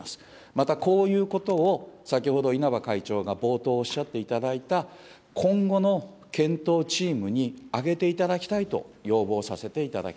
また、こういうことを、先ほど稲葉会長が冒頭おっしゃっていただいた、今後の検討チームにあげていただきたいと要望させていただきます。